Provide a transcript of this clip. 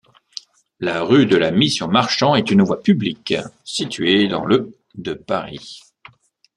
La rue de la Mission-Marchand est une voie publique située dans le de Paris.